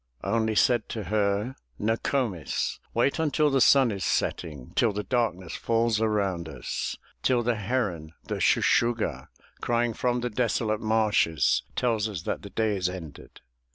Only said to her, No ko'mis, Wait until the sun is setting. Till the darkness falls around us, 386 THE TREASURE CHEST Till the heron, the Shuh shuh'gah, Crying from the desolate marshes, Tells us that the day is ended."